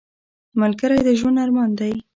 ملګری د ژوند ارمان دی